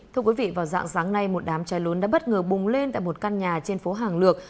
thưa quý vị vào dạng sáng nay một đám cháy lớn đã bất ngờ bùng lên tại một căn nhà trên phố hàng lược